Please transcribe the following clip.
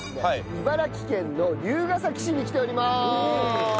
茨城県の龍ケ崎市に来ております。